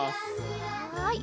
はい。